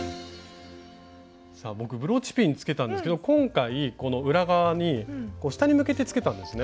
僕ブローチピンつけたんですけど今回この裏側に下に向けてつけたんですね。